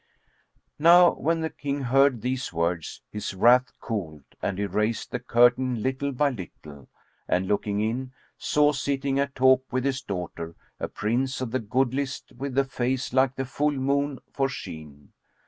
Now when the King heard these words, his wrath cooled and he raised the curtain little by little and looking in, saw sitting at talk with his daughter a Prince of the goodliest with a face like the full moon for sheen.